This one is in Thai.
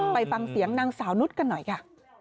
ไปฟังเสียงนางสาวนุษย์กันหน่อยค่ะ